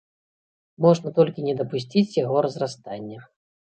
Можна толькі не дапусціць яго разрастання.